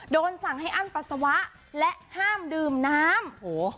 สั่งให้อั้นปัสสาวะและห้ามดื่มน้ำ